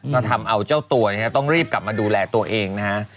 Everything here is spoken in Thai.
ก็ทำเอาเจ้าตัวเนี่ยต้องรีบกลับมาดูแลตัวเองนะฮะ